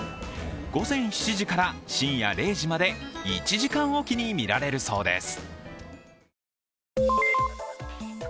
午前７時から深夜０時まで１時間置きに見られるそうです。